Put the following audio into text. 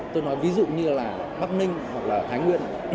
tôi nói ví dụ như là bắc ninh hoặc là thái nguyên